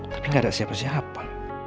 tapi gak ada siapa siapa